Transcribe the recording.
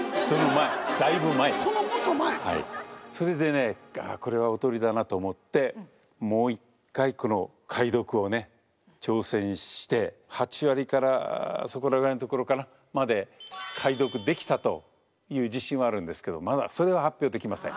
それでねこれはおとりだなと思ってもう一回この解読をね挑戦して８割からそこら辺のところかなまで解読できたという自信はあるんですけどまだそれは発表できません。